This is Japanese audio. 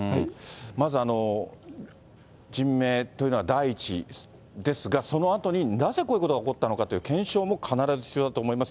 まず人命というのは第一ですが、そのあとになぜこういうことが起こったのかという検証も必ず必要だと思います。